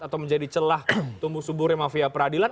atau menjadi celah tumbuh subuh remafia peradilan